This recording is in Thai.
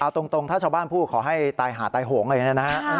เอาตรงถ้าชาวบ้านพูดขอให้ตายหาตายโหงเลยนะฮะ